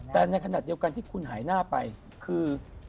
แต่ในขณะเดียวกันที่คุณหายหน้าไปคือ